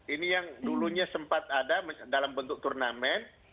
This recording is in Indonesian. ini yang dulunya sempat ada dalam bentuk turnamen